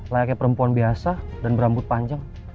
layaknya perempuan biasa dan berambut panjang